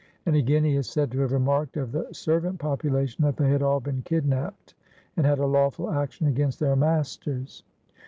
Again, he is said to have remarked of the servant population that they had all been kidnapped and had a lawful action against their masters.